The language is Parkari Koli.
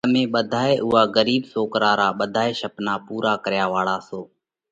تمي ٻڌائي اُوئا ڳرِيٻ سوڪرا را ٻڌائي شپنا پُورا ڪريا واۯا سو۔